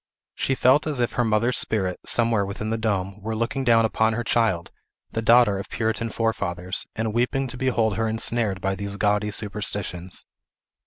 She felt as if her mother's spirit, somewhere within the dome, were looking down upon her child, the daughter of Puritan forefathers, and weeping to behold her ensnared by these gaudy superstitions.